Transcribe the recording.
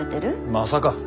まさか。